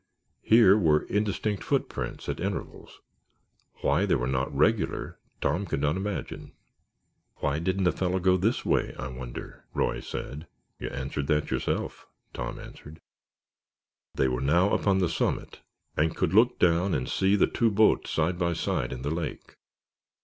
Here were indistinct footprints at intervals. Why they were not regular Tom could not imagine. "Why didn't the fellow go this way, I wonder?" Roy said. "You answered that yourself," Tom answered. They were now upon the summit and could look down and see the two boats side by side in the lake.